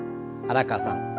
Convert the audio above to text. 原川さん